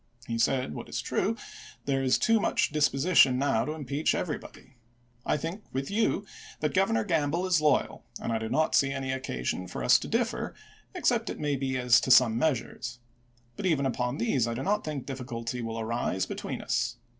He said, what is true, there is too much disposi tion now to impeach everybody. I think with you that Governor Gamble is loyal, and I do not see any occasion for us to differ, except it may be as to some measm es. But even upon these I do not think difficulty will arise between us.